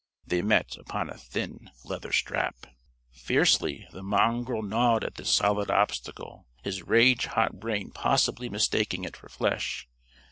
They met upon a thin leather strap. Fiercely the mongrel gnawed at this solid obstacle, his rage hot brain possibly mistaking it for flesh.